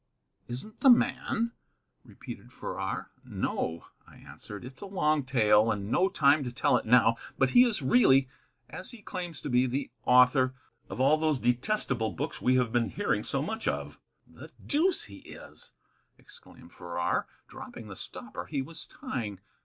"Isn't the man?" repeated Farrar. "No," I answered; "it's a long tale, and no time to tell it now. But he is really, as he claims to be, the author of all those detestable books we have been hearing so much of." "The deuce he is!" exclaimed Farrar, dropping the stopper he was tying.